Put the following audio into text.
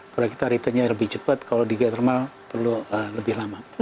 pada kita return nya lebih cepat kalau di geothermal perlu lebih lama